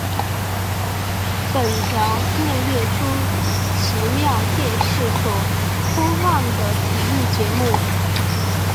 本条目列出奇妙电视所播放的体育节目。